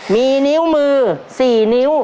มีนิ้วมือ๔นิ้ว